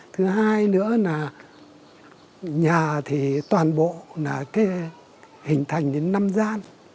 thứ hai nữa là nhà thì toàn bộ là hình thành đến năm gian